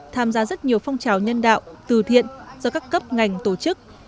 tham gia rất nhiều phong trào nhân đạo từ thiện do các cấp ngành tổ chức